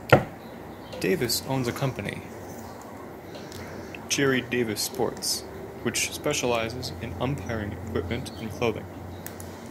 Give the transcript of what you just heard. Davis owns a company, Gerry Davis Sports, which specializes in umpiring equipment and clothing.